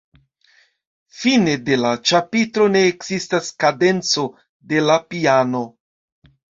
Fine de la ĉapitro ne ekzistas kadenco de la piano.